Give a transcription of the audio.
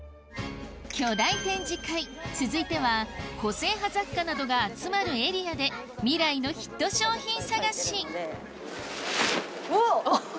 巨大展示会続いては個性派雑貨などが集まるエリアで未来のヒット商品探しおぉ！